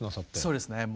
そうですね。